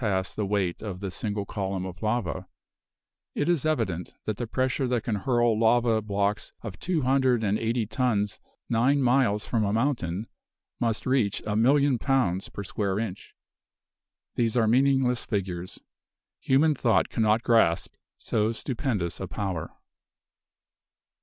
When we consider all these, each of which must far surpass the weight of the single column of lava, it is evident that the pressure that can hurl lava blocks of two hundred and eighty tons nine miles from a mountain must reach a million pounds per square inch. These are meaningless figures. Human thought cannot grasp so stupendous a power.